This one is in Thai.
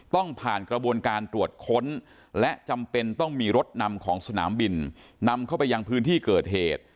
ต้องผ่านกระบวนการตรวจค้นและจำเป็นต้องมีรถนำของสนามบินนำเข้าไปยังพื้นที่เกิดเหตุ